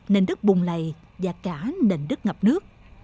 nền đất bùng lầy và cả nền đất ngập nước